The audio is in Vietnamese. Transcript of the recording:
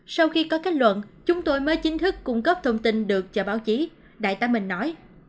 sau khi có kết luận chúng tôi mới chính thức cung cấp thông tin được cho báo chí đại tá minh nói